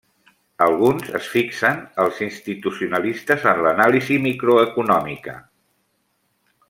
Alguns es fixen els institucionalistes en l'anàlisi microeconòmica.